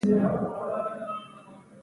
تاریخ د افغانستان د صادراتو برخه ده.